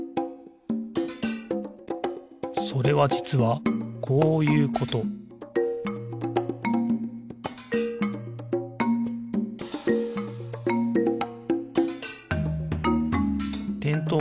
それはじつはこういうことてんとう